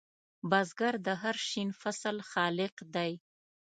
بزګر د هر شین فصل خالق دی